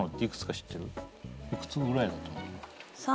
幾つぐらいだと思う？